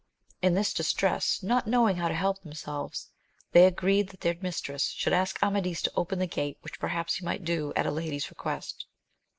In this distress, not know ing how to help themselves, they agreed that their mistress should ask Amadis to open the gate, which perhaps he might do at a lady's request.